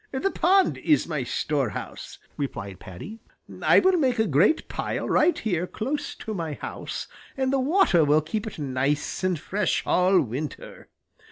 "This pond is my storehouse," replied Paddy. "I will make a great pile right here close to my house, and the water will keep it nice and fresh all winter.